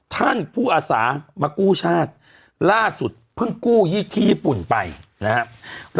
ท่านผู้อาสามากู้ชาติล่าสุดเพิ่งกู้ที่ญี่ปุ่นไปนะครับ